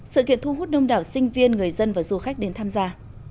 sự kiện thu hút đông đảo sinh viên người dân và du khách đến tham gia